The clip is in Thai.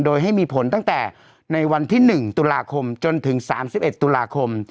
โดยให้มีผลตั้งแต่ในวันที่๑ตุลาคมจนถึง๓๑ตุลาคม